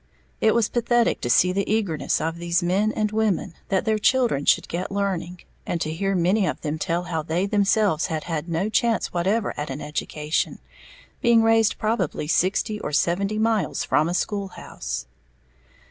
It was pathetic to see the eagerness of these men and women that their children should get learning, and to hear many of them tell how they themselves had had no chance whatever at an education, being raised probably sixty or eighty miles from a school house.